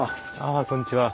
ああこんにちは。